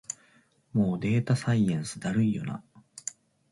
もうデータサイエンスだるいよな